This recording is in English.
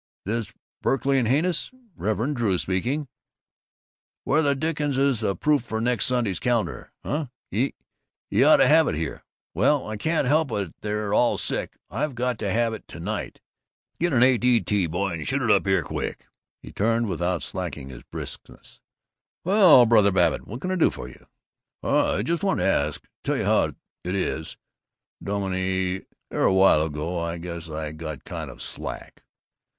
This Berkey and Hannis? Reverend Drew speaking. Where the dickens is the proof for next Sunday's calendar? Huh? Y' ought to have it here. Well, I can't help it if they're all sick! I got to have it to night. Get an A.D.T. boy and shoot it up here quick." He turned, without slackening his briskness. "Well, Brother Babbitt, what c'n I do for you?" "I just wanted to ask Tell you how it is, dominie: Here a while ago I guess I got kind of slack.